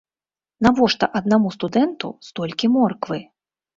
Навошта аднаму студэнту столькі морквы?